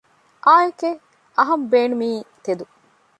އާނއެކެވެ! އަހަން ބޭނުމީ ތެދު